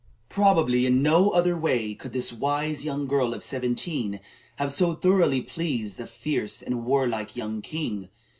Probably in no other way could this wise young girl of seventeen have so thoroughly pleased the fierce and warlike young king.